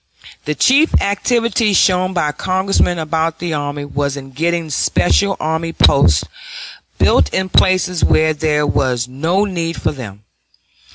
The chief activity shown by Congressmen about the army was in getting special army posts built in places where there was no need for them.